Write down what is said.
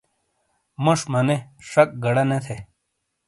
موش مَنے شَک گَڑا نے تھے